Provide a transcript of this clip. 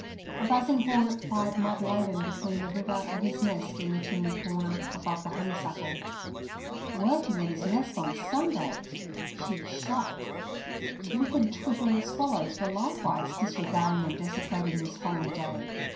A buzzing hornet plied mud laden between the river and his nest in the chimney corner, above the honeysuckle. Working at his nest on Sunday! She was shocked. Wicked twittering swallows were likewise disregarding and desecrating this holy day.